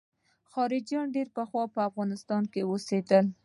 خلجیان ډېر پخوا په افغانستان کې اوسېدل.